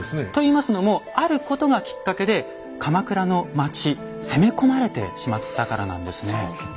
といいますのもあることがきっかけで鎌倉の町攻め込まれてしまったからなんですね。